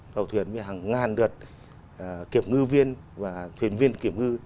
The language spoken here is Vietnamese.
đầu thuyền hàng ngàn đợt kiểm ngư viên và thuyền viên kiểm ngư